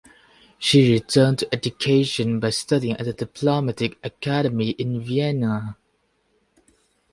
She returned to education by studying at the Diplomatic Academy in Vienna.